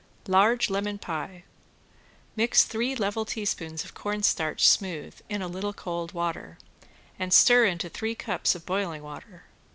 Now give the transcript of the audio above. ~LARGE LEMON PIE~ Mix three level teaspoons of corn starch smooth in a little cold water, and stir into three cups of boiling water.